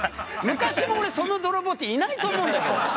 昔もその泥棒っていないと思うんだけど。